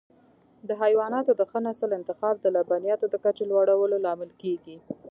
د حیواناتو د ښه نسل انتخاب د لبنیاتو د کچې لوړولو لامل کېږي.